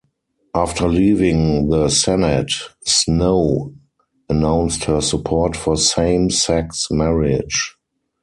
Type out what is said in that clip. After leaving the Senate, Snowe announced her support for same-sex marriage.